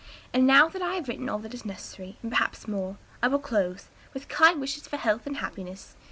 And now that I have written all that is necessary, and perhaps more, I will close, with kind wishes for health and happiness.